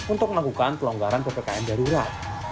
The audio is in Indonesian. untuk melakukan pelonggaran ppkm darurat